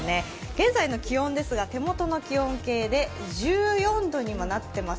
現在の気温ですが手元の気温計で１４度になっています。